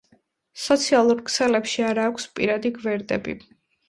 სოციალურ ქსელებში არა აქვს პირადი გვერდები.